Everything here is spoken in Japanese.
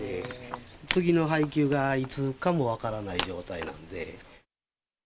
次の配給がいつかも分からない状態なんで。